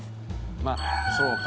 まあそうか。